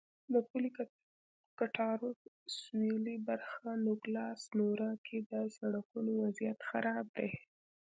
د پولې کټارو سوېلي برخه نوګالس سونورا کې د سړکونو وضعیت خراب دی.